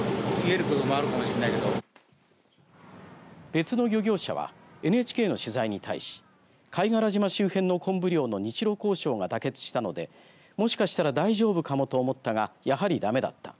別の漁業者はＮＨＫの取材に対し貝殻島周辺のコンブ漁の日ロ交渉が妥結したのでもしかしたら大丈夫かもと思ったが、やはりだめだった。